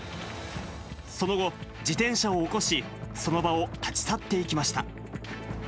その後、自転車を起こし、その場を立ち去っていきました。